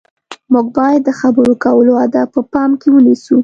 موږ باید د خبرو کولو اداب په پام کې ونیسو.